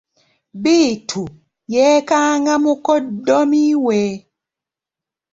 Bittu yeekanga mukoddomi we.